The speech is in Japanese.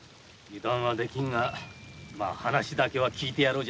油断はできんが話だけは聞いてやろう。